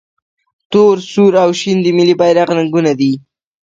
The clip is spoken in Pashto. تور، سور او شین د ملي بیرغ رنګونه دي.